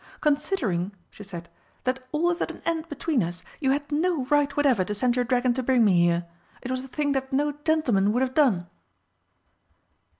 "Considering," she said, "that all is at an end between us, you had no right whatever to send your dragon to bring me here. It was a thing that no gentleman would have done!"